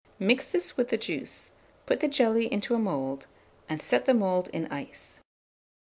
Mix this with the juice; put the jelly into a mould, and set the mould in ice.